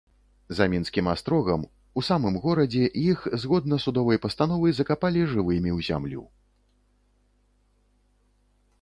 За мінскім астрогам, у самым горадзе, іх, згодна судовай пастановы, закапалі жывымі ў зямлю.